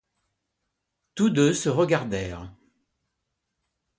Tous deux se regardèrent.